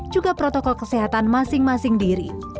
juga protokol kesehatan masing masing diri